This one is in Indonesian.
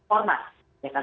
ormas ya kan